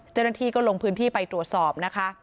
เจ้าหน้าที่ก็ลงพื้นที่ไปตรวจสอบนะคะ